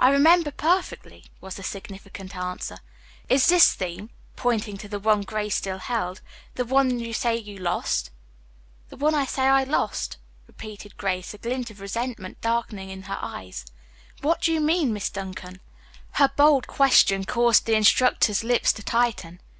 "I remember perfectly," was the significant answer. "Is this theme," pointing to the one Grace still held, "the one you say you lost?" "The one I say I lost," repeated Grace, a glint of resentment darkening her eyes. "What do you mean, Miss Duncan?" Her bold question caused the instructor's lips to tighten.